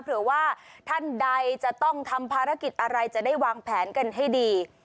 เผื่อว่าท่านใดจะต้องทำภารกิจอะไรจะได้วางแผนกันให้ดี